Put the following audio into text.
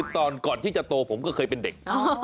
ตอนก่อนที่จะโตผมก็เคยเป็นเด็ก